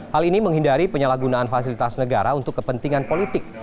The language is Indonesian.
hal ini menghindari penyalahgunaan fasilitas negara untuk kepentingan politik